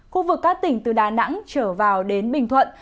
khu vực các tỉnh từ đà nẵng trở vào đến bình thuận